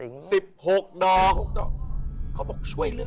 ๑๖นอก